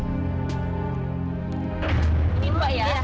ini mbak ya